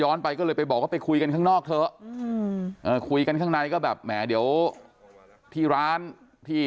ไปก็เลยไปบอกว่าไปคุยกันข้างนอกเถอะคุยกันข้างในก็แบบแหมเดี๋ยวที่ร้านที่